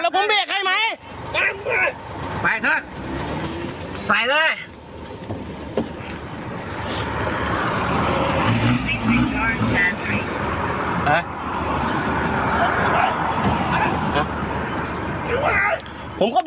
มีปืนนะครับมีปื้นนะครับครั้งนี้ครับ